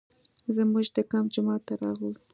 زموږ د کمپ جومات ته راغلل.